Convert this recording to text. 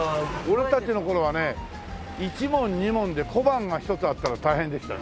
俺たちの頃はね１文２文で小判が１つあったら大変でしたよ。